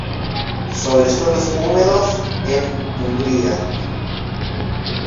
Sobre suelos húmedos, en umbría.